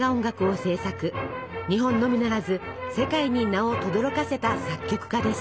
日本のみならず世界に名をとどろかせた作曲家です。